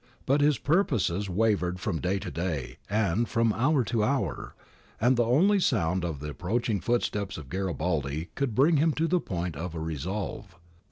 ^ But his purposes wavered from day to day and from hour to hour, and only the sound of the approaching footsteps of Garibaldi could bring him to the point of a resolve.